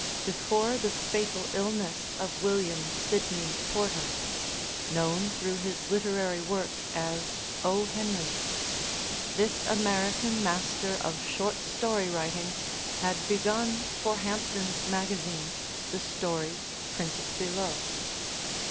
—_Before the fatal illness of William Sydney Porter (known through his literary work as "O. Henry") this American master of short story writing had begun for Hampton's Magazine the story printed below.